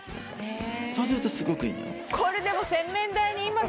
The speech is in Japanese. へえそうするとすごくいいのよ